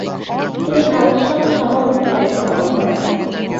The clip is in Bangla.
তিনি ভারত সভার সভাপতির দায়িত্ব পালন করেন।